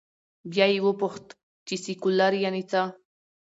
بیا یې وپوښت، چې سیکولر یعنې څه؟